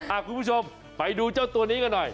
คุณผู้ชมไปดูเจ้าตัวนี้กันหน่อย